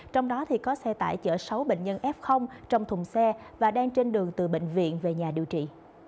trong đó có xe tải chở sáu bệnh nhân f trong thùng xe và đang trên đường từ bệnh viện về nhà điều trị